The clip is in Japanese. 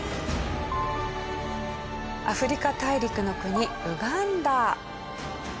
アフリカ大陸の国ウガンダ。